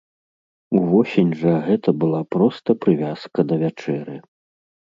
Увосень жа гэта была проста прывязка да вячэры.